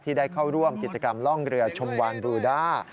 ได้เข้าร่วมกิจกรรมร่องเรือชมวานบลูด้า